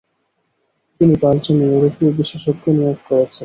তিনি কয়েকজন ইউরোপীয় বিশেষজ্ঞ নিয়োগ করেছিলেন।